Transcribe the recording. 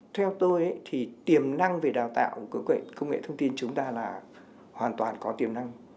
theo tôi thì tiềm năng về đào tạo công nghệ thông tin chúng ta là hoàn toàn có tiềm năng